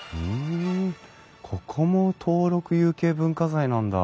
ここも登録有形文化財なんだ。